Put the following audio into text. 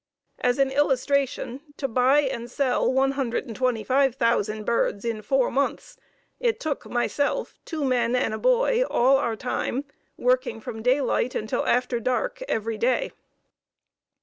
As an illustration: To buy and sell 125,000 birds in four months, it took myself, two men and a boy all our time, working from daylight until after dark every day.